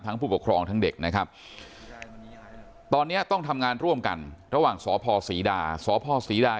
ผู้ปกครองทั้งเด็กนะครับตอนนี้ต้องทำงานร่วมกันระหว่างสพศรีดาสพศรีดา